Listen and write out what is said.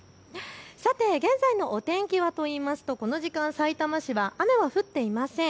さて現在のお天気は、この時間さいたま市は雨は降っていません。